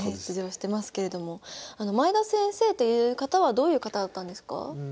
出場してますけれども前田先生という方はどういう方だったんですか？